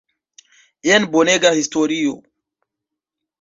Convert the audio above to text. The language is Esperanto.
Jen bonega historio!